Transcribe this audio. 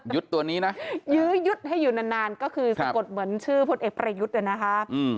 ตัวนี้นะยื้อยุดให้อยู่นานนานก็คือสะกดเหมือนชื่อพลเอกประยุทธ์นะคะ